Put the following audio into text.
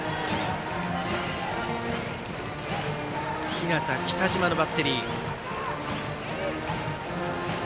日當、北島のバッテリー。